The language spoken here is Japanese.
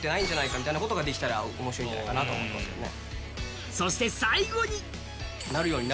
みたいなことができたら面白いんじゃないかなと思いますね。